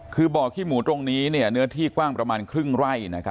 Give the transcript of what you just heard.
คือบ่อขี้หมูตรงนี้เนื้อที่กว้างประมาณครึ่งไร่